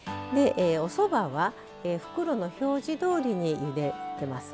おそばは袋の表示どおりにゆでてます。